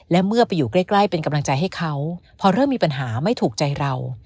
และเมื่อไปอยู่ใกล้เป็นกำลังใจให้เขาพอเริ่มมีปัญหาไม่ถูกใจเรา